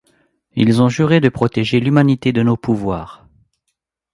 Ils ont juré de protéger l’humanité de nos pouvoirs.